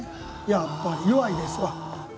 やっぱり弱いですわ。